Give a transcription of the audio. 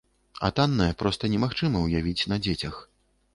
А таннае проста немагчыма ўявіць на дзецях.